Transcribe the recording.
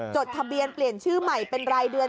จดทะเบียนเปลี่ยนชื่อใหม่เป็นรายเดือน